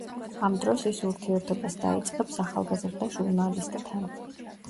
ამ დროს ის ურთიერთობას დაიწყებს ახალგაზრდა ჟურნალისტთან.